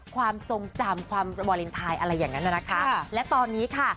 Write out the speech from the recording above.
ความทรงจำความวาเลนไทยอะไรอย่างนั้นนะคะและตอนนี้ค่ะ